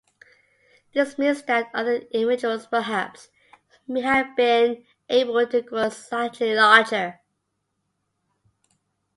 This means that other individuals perhaps may have been able to grow slightly larger.